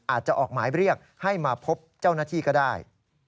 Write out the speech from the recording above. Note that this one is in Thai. อาจจะออกหมายเรียกให้มาพบเจ้าหน้าที่ก็ได้